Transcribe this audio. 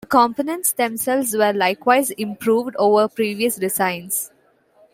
The components themselves were likewise improved over previous designs.